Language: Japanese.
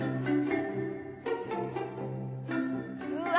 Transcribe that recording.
うわ。